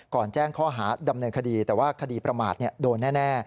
แจ้งข้อหาดำเนินคดีแต่ว่าคดีประมาทโดนแน่